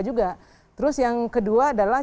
juga terus yang kedua adalah